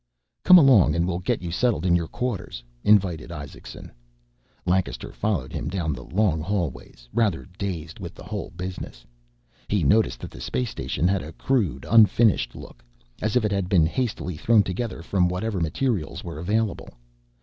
"Come along and we'll get you settled in your quarters," invited Isaacson. Lancaster followed him down the long hallways, rather dazed with the whole business. He noticed that the space station had a crude, unfinished look, as if it had been hastily thrown together from whatever materials were available.